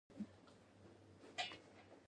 په ګلانو ښکلل سوې ناوکۍ